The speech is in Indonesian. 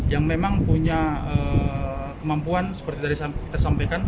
yang memang punya kemampuan seperti tadi kita sampaikan